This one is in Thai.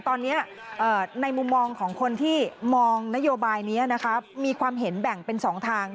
ตอนนี้ในมุมมองของคนที่มองนโยบายนี้มีความเห็นแบ่งเป็น๒ทาง